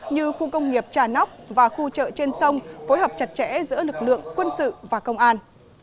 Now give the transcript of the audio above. như khu công nghiệp trà nóc và khu chợ trên sông phối hợp chặt chẽ giữa lực lượng quân sự và công an